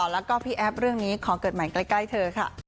แล้วก็พี่แอฟเรื่องนี้ขอเกิดใหม่ใกล้เธอค่ะ